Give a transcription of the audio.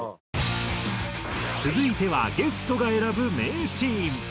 続いてはゲストが選ぶ名シーン。